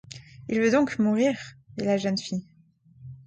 Il veut donc mourir ? dit la jeune fille.